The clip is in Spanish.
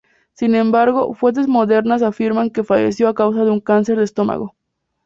Sin embargo, fuentes modernas afirman que falleció a causa de un cáncer de estómago.